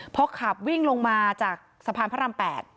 พอขับวิ่งลงมาจากสะพานพระราม๘